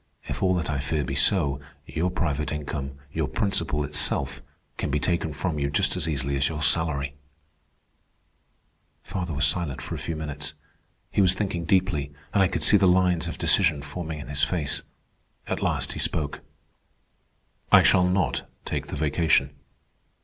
"If all that I fear be so, your private income, your principal itself, can be taken from you just as easily as your salary." Father was silent for a few minutes. He was thinking deeply, and I could see the lines of decision forming in his face. At last he spoke. "I shall not take the vacation."